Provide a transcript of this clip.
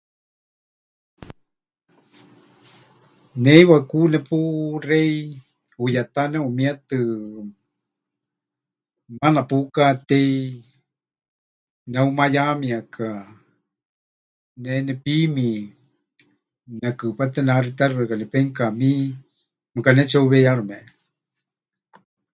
Ne heiwa ku nepuxei huyetá neʼumietɨ, maana pukatéi, neheumayamieka, ne nepími, nekɨpáte nehaxitexɨaka nepenukamí mɨka netsiheuweiyarɨmenikɨ. Paɨ xeikɨ́a.